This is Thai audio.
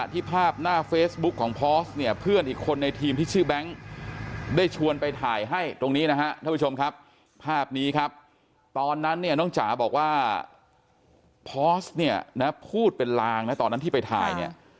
ตอนนั้นเนี้ยน้องจ๋าบอกว่าพอสเนี้ยนะฮะพูดเป็นลางนะตอนนั้นที่ไปถ่ายเนี้ย